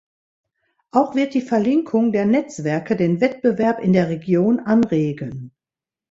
Auch wird die Verlinkung der Netzwerke den Wettbewerb in der Region anregen.